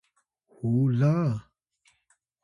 hu la